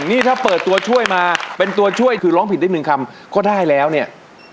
นี่ถ้าเปิดตัวช่วยมาเป็นตัวช่วยคือร้องผิดได้หนึ่งคำก็ได้แล้วเนี่ย